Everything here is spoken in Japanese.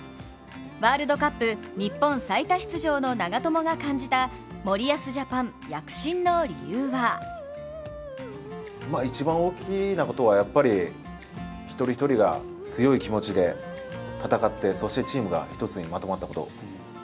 ワールドカップ日本最多出場の長友が感じた森保ジャパン、躍進の理由は一番大きなことは、やっぱり一人一人が強い気持ちで戦ってそしてチームが一つにまとまったこと。